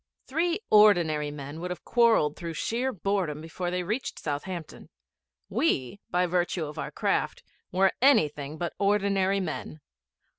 Three ordinary men would have quarrelled through sheer boredom before they reached Southampton. We, by virtue of our craft, were anything but ordinary men.